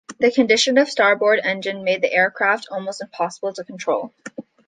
The condition of the starboard engine made the aircraft almost impossible to control.